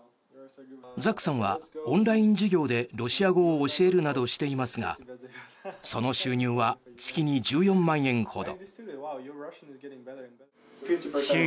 ザックさんはオンライン授業でロシア語を教えるなどしていますがその収入は月に１４万円ほど。